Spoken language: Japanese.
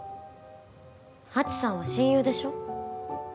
ハチさんは親友でしょ？